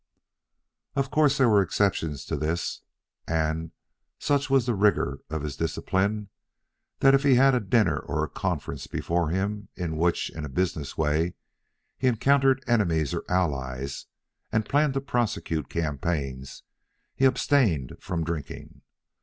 Of course, there were exceptions to this; and, such was the rigor of his discipline, that if he had a dinner or a conference before him in which, in a business way, he encountered enemies or allies and planned or prosecuted campaigns, he abstained from drinking.